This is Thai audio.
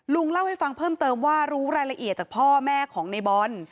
ลุงเล่าให้ฟังเพิ่มเติมว่ารู้รายละเอียดจากพ่อแม่ของในบอล